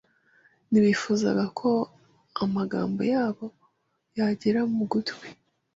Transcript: Ntibifuzaga ko amagambo yabo yagera mu gutwi